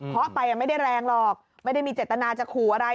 เพราะไปไม่ได้แรงหรอกไม่ได้มีเจตนาจะขู่อะไร